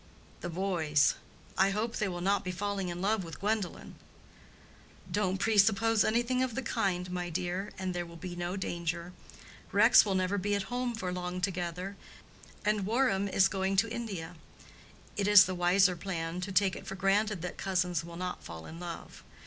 "The boys. I hope they will not be falling in love with Gwendolen." "Don't presuppose anything of the kind, my dear, and there will be no danger. Rex will never be at home for long together, and Warham is going to India. It is the wiser plan to take it for granted that cousins will not fall in love.